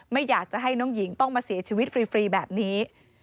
ไม่อยากจะให้น้องหญิงต้องมาเสียชีวิตฟรีแบบนี้